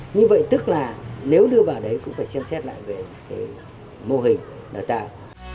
như vậy tức là nếu đưa vào đấy cũng phải xem xét lại về mô hình đại học